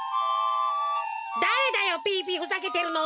だれだよピーピーふざけてるのは！